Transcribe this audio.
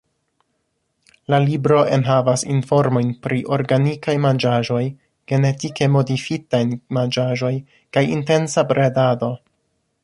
La libro enhavas informojn pri organikaj manĝaĵoj, genetike modifitaj manĝaĵoj kaj intensa bredado.